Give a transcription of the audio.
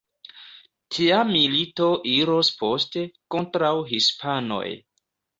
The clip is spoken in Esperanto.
Tia milito iros poste kontraŭ hispanoj.